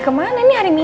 nenek nanti aku pergi